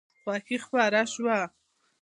خوښي خپره شوه.